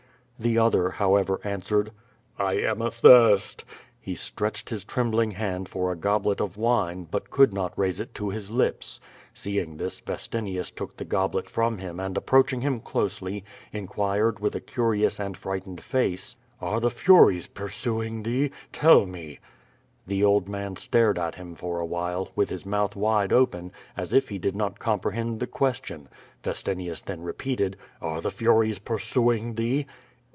The other, however, answered: "I am athirst." He stretched his trembling hand for a goblet of wine, but could not raise it to his lips. Seeing this, Vestinius took the goblet from him, and approaching him closely, inquired, with a curious and frjghtened face: 442 QUO VADI8. "Are the Furies pursumg thee? Tell me/^ The old man stared at him for a time, with his mouth wide open, as if he did not comprehend the question. Ves tinius then repeated: "Are the Furies pursuing thee?''